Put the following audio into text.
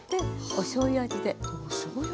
おしょうゆ味で？